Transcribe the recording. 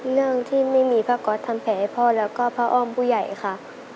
เรื่องที่ไม่มีผ้าก๊อตทำแผลให้พ่อแล้วก็พระอ้อมผู้ใหญ่ค่ะ